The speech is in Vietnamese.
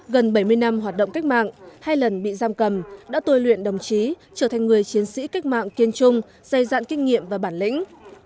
gần bảy mươi năm hoạt động cách mạng hai lần bị giam cầm đã tôi luyện đồng chí trở thành người chiến sĩ cách mạng kiên trung dày dạn kinh nghiệm và bản lĩnh